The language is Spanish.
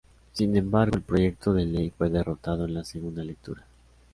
Sin embargo el proyecto de ley fue derrotado en la segunda lectura.